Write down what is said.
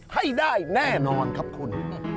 ให้ได้แน่นอนครับคุณ